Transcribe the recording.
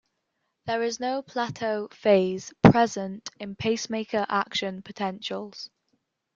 There is no plateau phase present in pacemaker action potentials.